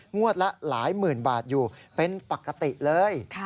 ละหลายหมื่นบาทอยู่เป็นปกติเลย